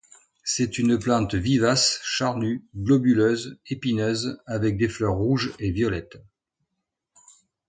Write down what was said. C'est une plante vivace charnue, globuleuse, épineuse avec des fleurs rouges et violettes.